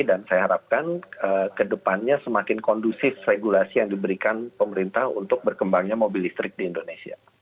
dan saya harapkan ke depannya semakin kondusif regulasi yang diberikan pemerintah untuk berkembangnya mobil listrik di indonesia